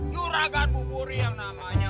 juragan buburi yang namanya